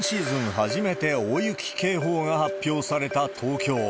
初めて大雪警報が発表された東京。